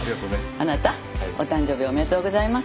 あなたお誕生日おめでとうございます。